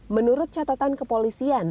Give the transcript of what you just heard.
menurut catatan kepolisian